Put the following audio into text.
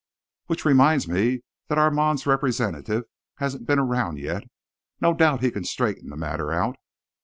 "Which reminds me that Armand's representative hasn't been around yet. No doubt he can straighten the matter out."